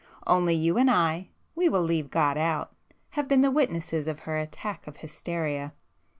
Only you and I (we will leave God out) have been the witnesses of her attack of hysteria